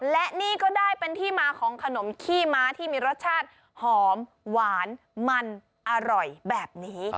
และนี่ก็ได้เป็นที่มาของขนมขี้ม้าที่มีรสชาติหอมหวานมันอร่อยแบบนี้